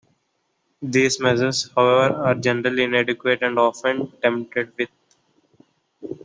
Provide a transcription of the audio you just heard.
These measures, however, are generally inadequate and often tampered with.